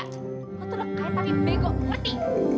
lo tuh lo kaya tapi bego ngerti